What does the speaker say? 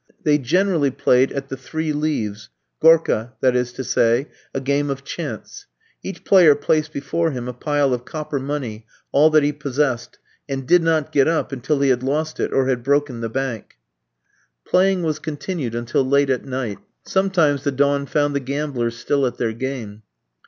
They generally played at the "three leaves" Gorka, that is to say: a game of chance. Each player placed before him a pile of copper money all that he possessed and did not get up until he had lost it or had broken the bank. Playing was continued until late at night; sometimes the dawn found the gamblers still at their game.